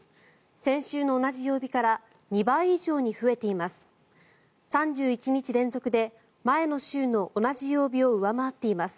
先週の同じ曜日から２倍以上に増えています。